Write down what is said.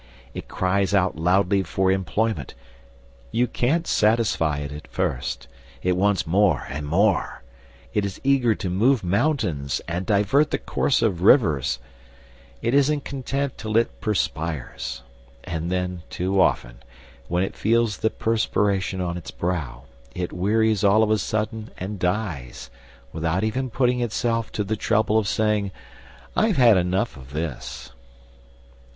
It cries out loudly for employment; you can't satisfy it at first; it wants more and more; it is eager to move mountains and divert the course of rivers. It isn't content till it perspires. And then, too often, when it feels the perspiration on its brow, it wearies all of a sudden and dies, without even putting itself to the trouble of saying, "I've had enough of this."